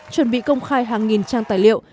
chuẩn bị công khai hàng nghìn trang tài liệu